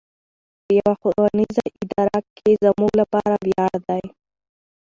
په يوه ښوونيزه اداره کې زموږ لپاره وياړ دی.